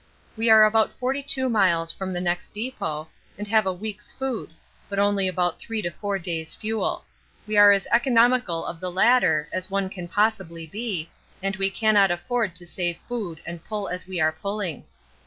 We are about 42 miles from the next depot and have a week's food, but only about 3 to 4 days' fuel we are as economical of the latter as one can possibly be, and we cannot afford to save food and pull as we are pulling.